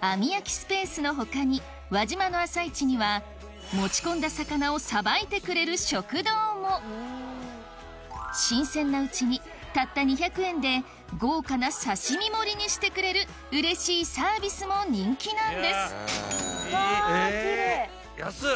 網焼きスペースの他に輪島の朝市には持ち込んだ魚をさばいてくれる食堂も新鮮なうちにたった２００円で豪華な刺し身盛りにしてくれるうれしいサービスも人気なんですうわきれい。